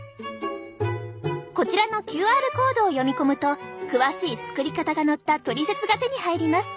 こちらのＱＲコードを読み込むと詳しい作り方が載ったトリセツが手に入ります。